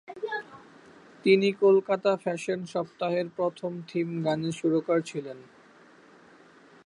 তিনি কলকাতা ফ্যাশন সপ্তাহের প্রথম থিম গানের সুরকার ছিলেন।